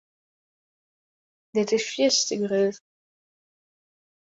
Dit is fierste grut.